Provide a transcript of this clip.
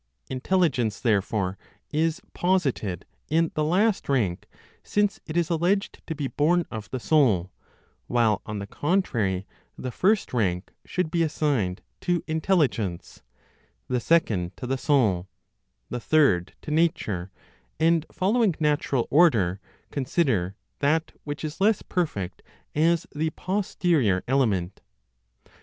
Intelligence, therefore, is posited in the last rank since it is alleged to be born of the soul, while, on the contrary, the first rank should be assigned to intelligence, the second to the soul, the third to nature, and, following natural order, consider that which is less perfect as the posterior element.